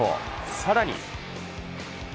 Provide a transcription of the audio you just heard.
さらに。